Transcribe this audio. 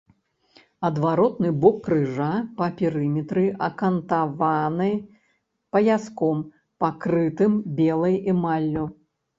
Адваротны бок крыжа па перыметры акантаваны паяском, пакрытым белай эмаллю.